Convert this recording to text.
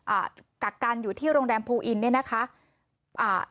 กักกันอยู่ที่โรงแรมภูอินเนี้ยนะคะอ่า